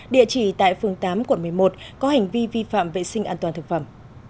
địa chỉ tại phường tám quận một mươi một có hành vi vi phạm vệ sinh an toàn thực phẩm